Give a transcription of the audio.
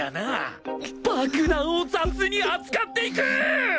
爆弾を雑に扱っていく！